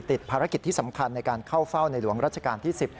ติดภารกิจที่สำคัญในการเข้าเฝ้าในหลวงรัชกาลที่๑๐